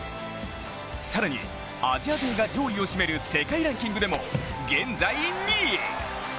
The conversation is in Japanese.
更にアジア勢が上位を占める世界ランキングでも現在２位。